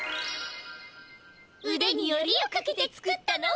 うでによりをかけて作ったの。